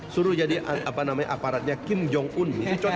suruh jadi aparatnya kim jong un